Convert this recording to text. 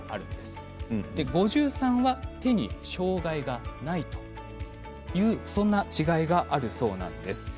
５３は手に障がいがないというそんな違いがあるそうなんです。